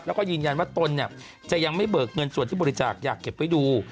แล้วก็ยืนยันว่าตนเนี่ยจะยังไม่เบิกเงินส่วนที่บริจาคอยากเก็บไว้ดู